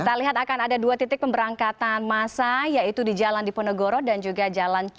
kita lihat akan ada dua titik pemberangkatan masa yaitu di jalan diponegoro dan juga jalan